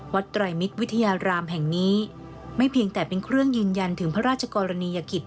ไตรมิตรวิทยารามแห่งนี้ไม่เพียงแต่เป็นเครื่องยืนยันถึงพระราชกรณียกิจ